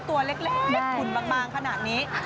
ตัวเล็กขุ่นบางขนาดนี้